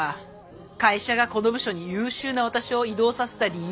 会社がこの部署に優秀な私を異動させた理由が。